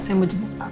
saya mau jemput al